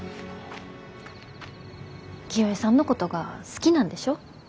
清恵さんのことが好きなんでしょ？